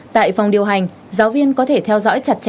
tại phòng điều hành giáo viên có thể theo dõi chặt chẽ